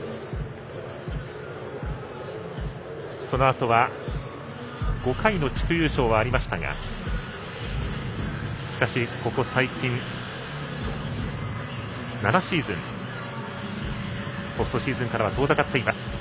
そのあとは５回の地区優勝はありましたがしかし、ここ最近７シーズンポストシーズンからは遠ざかっています。